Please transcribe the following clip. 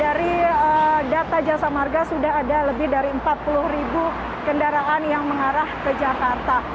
dari data jasa marga sudah ada lebih dari empat puluh ribu kendaraan yang mengarah ke jakarta